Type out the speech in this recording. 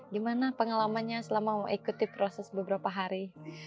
gimana pengalamannya selama mau ikuti proses beberapa hari